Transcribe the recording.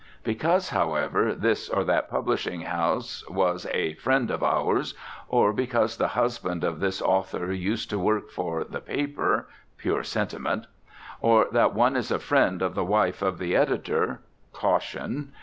Because, however, this or that publishing house was "a friend of ours," or because the husband of this author used to work for the paper (pure sentiment!), or that one is a friend of the wife of The Editor (caution!)